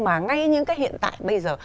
mà ngay những cái hiện tại bây giờ